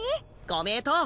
ご名答。